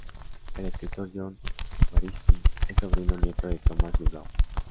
El escritor Jon Juaristi es sobrino nieto de Tomás Bilbao.